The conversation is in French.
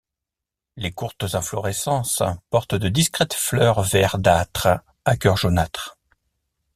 Les courtes inflorescences portent de discrètes fleurs verdâtres à cœur jaunâtre.